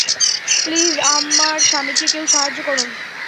Please, আমার স্বামীকে কেউ সাহায্য করুন।